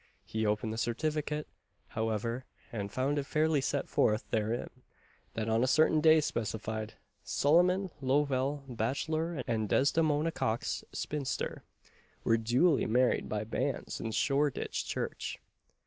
He opened the certificate, however, and found it fairly set forth therein, that on a certain day specified, "Solomon Lovell, bachelor, and Desdemona Cocks, spinster," were duly married by banns in Shoreditch Church.